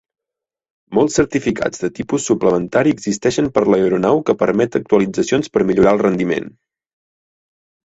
Molts certificats de tipus suplementari existeixen per l'aeronau que permet actualitzacions per millorar el rendiment.